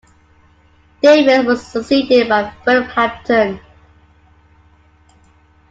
Davis was succeeded by Philip Hampton.